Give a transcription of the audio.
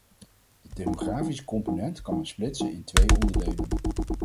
De demografische component kan men splitsen in twee onderdelen.